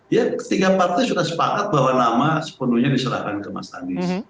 ya ketiga partai sudah sepakat bahwa nama sepenuhnya diserahkan ke mas anies